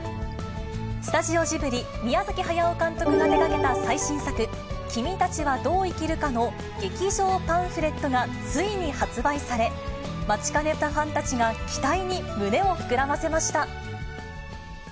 スタジオジブリ、宮崎駿監督が手がけた最新作、君たちはどう生きるかの劇場パンフレットがついに発売され、待ちかねたファンたちが期待に胸を膨らませました。